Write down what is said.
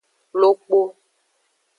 Lokpo.